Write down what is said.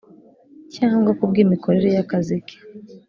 cyangwa ku bw imikorere y akazi ke